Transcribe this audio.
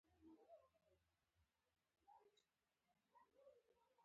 دا غږ د نسلونو تر منځ تېرېږي.